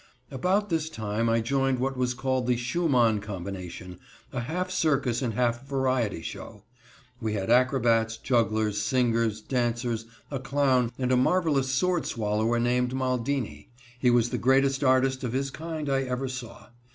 About this time I joined what was called the Schumann Combination, a half circus and half variety show. We had acrobats, jugglers, singers, dancers, a clown, and a marvelous sword swallower named Maldini. He was the greatest artist of his kind I ever saw.